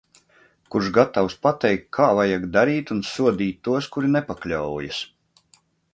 Kurš gatavs pateikt, kā vajag darīt un sodīt tos, kuri nepakļaujas.